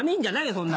そんな。